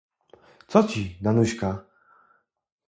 "co ci, Danuśka?"